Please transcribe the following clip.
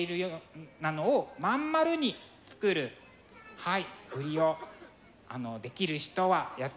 はい。